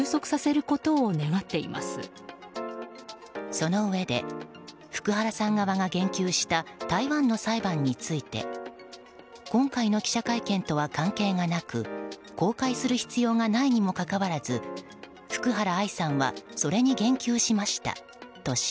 そのうえで福原さん側が言及した台湾の裁判について今回の記者会見とは関係がなく公開する必要がないにもかかわらず福原愛さんはそれに言及しましたとし